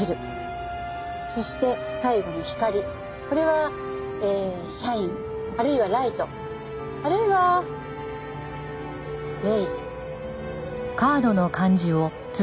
そして最後の「光」これはえー「シャイン」あるいは「ライト」あるいは「レイ」。